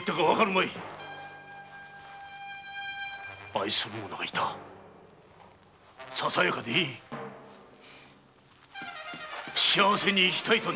愛する者が居たささやかでいい幸せに生きたいと願っていた。